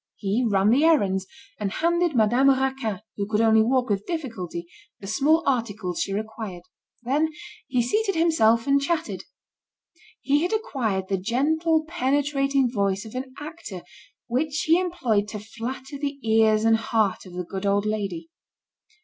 He ran the errands, and handed Madame Raquin, who could only walk with difficulty, the small articles she required. Then he seated himself and chatted. He had acquired the gentle penetrating voice of an actor which he employed to flatter the ears and heart of the good old lady.